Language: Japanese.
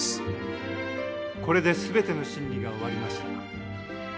これで全ての審理が終わりました。